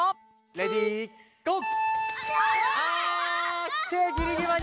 レディーゴー！